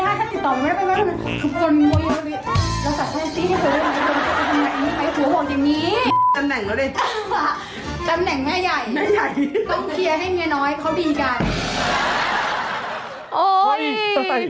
ถ้าติดต่อมันไม่ได้มันไปบ้านกัน